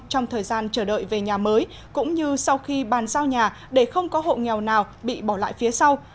trong thời gian chờ đợi về nhà mới cũng như sau khi bàn giao nhà để không có hộ nghèo nào bị bỏ lại phía sau